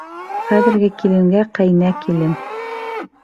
Хәҙерге киленгә ҡәйнә килен.